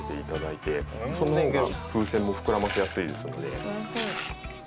その方が風船も膨らませやすいですので。